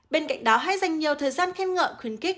bên cạnh đó hãy dành nhiều thời gian khen ngợi khuyến khích